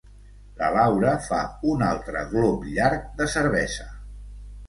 La Laura fa un altre glop llarg de cervesa.